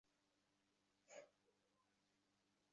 ভয় নেই ভাই, আমরা দুই সতীনে তোমাকে নিয়ে ঝগড়া করব না।